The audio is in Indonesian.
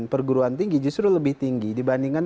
perguruan tinggi justru lebih tinggi dibandingkan